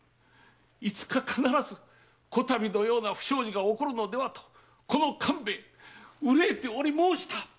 いつか必ず此度のような不祥事が起こるのではとこの官兵衛憂えており申した！